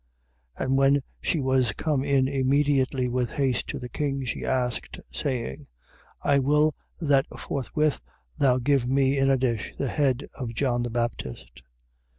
6:25. And when she was come in immediately with haste to the king, she asked, saying: I will that forthwith thou give me in a dish, the head of John the Baptist.